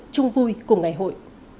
trung vui của ngày hội